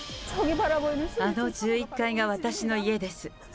あの１１階が私の家です。